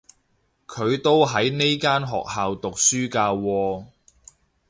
佢都喺呢間學校讀書㗎喎